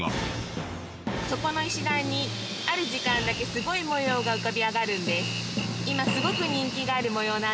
そこの石段にある時間だけすごい模様が浮かび上がるんです。